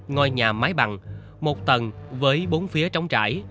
ngôi nhà mái bằng một tầng với bốn phía trống trải